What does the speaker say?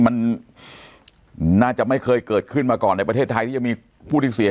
มันน่าจะไม่เคยเกิดขึ้นมาก่อนในประเทศไทย